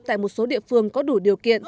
tại một số địa phương có đủ điều kiện